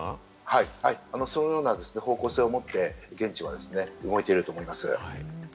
はい、そのような方向性を持って現地は動いていると思います。